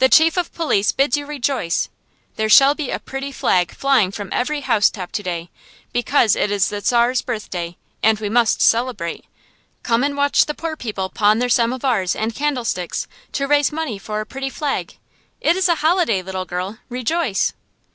The chief of police bids you rejoice. There shall be a pretty flag flying from every housetop to day, because it is the Czar's birthday, and we must celebrate. Come and watch the poor people pawn their samovars and candlesticks, to raise money for a pretty flag. It is a holiday, little girl. Rejoice!"